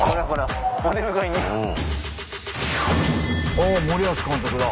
あっ森保監督だ。